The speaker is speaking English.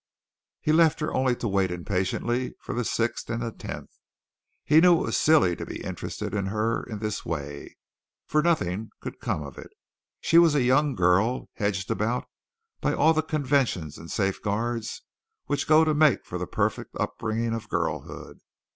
He left her only to wait impatiently for the sixth and the tenth. He knew it was silly to be interested in her in this way, for nothing could come of it. She was a young girl hedged about by all the conventions and safeguards which go to make for the perfect upbringing of girlhood.